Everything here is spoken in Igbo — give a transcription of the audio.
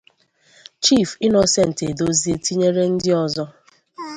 'Chief Innocent Edozie' tinyere ndị ọzọ.